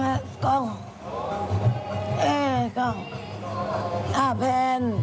เออกล้องเออแพน